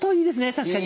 確かに。